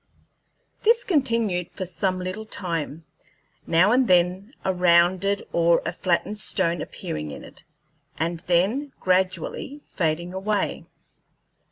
This continued for some little time, now and then a rounded or a flattened stone appearing in it, and then gradually fading away.